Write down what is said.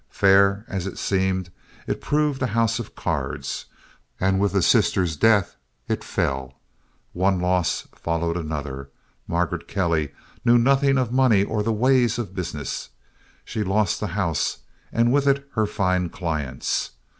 Fair as it seemed, it proved a house of cards, and with the sister's death it fell. One loss followed another. Margaret Kelly knew nothing of money or the ways of business. She lost the house, and with it her fine clients.